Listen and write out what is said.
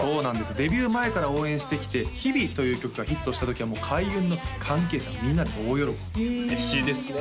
デビュー前から応援してきて「日々」という曲がヒットした時はもう開運の関係者みんなで大喜びへえ嬉しいですね